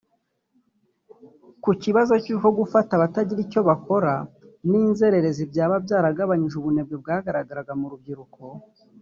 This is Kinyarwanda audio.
Ku kibazo cy’uko gufata abatagira icyo bakora n’inzererezi byaba byaragabanije ubunebwe bwagaragaraga mu rubyiruko